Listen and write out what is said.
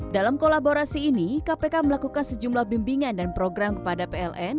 dalam kolaborasi ini kpk melakukan sejumlah bimbingan dan program kepada pln